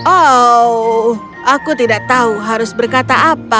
oh aku tidak tahu harus berkata apa